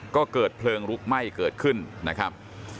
ก็เกิดเพลิงลุกไหม้เกิดขึ้นนะครับ